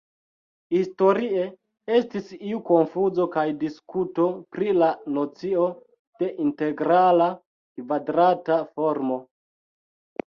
Historie estis iu konfuzo kaj diskuto pri la nocio de integrala kvadrata formo.